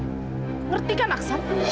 ngerti kan aksan